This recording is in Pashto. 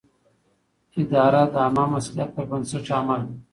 اداره د عامه مصلحت پر بنسټ عمل کوي.